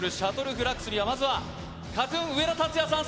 フラッグスにはまずはＫＡＴ−ＴＵＮ上田竜也さん